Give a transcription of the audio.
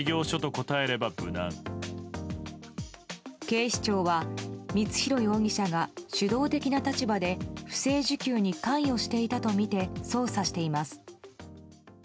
警視庁は、光弘容疑者が主導的な立場で不正受給に関与していたとみて捜査しています。